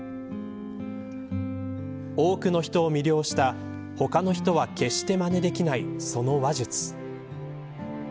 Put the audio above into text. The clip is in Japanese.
多くの人を魅了した他の人は決してまねできないその話術。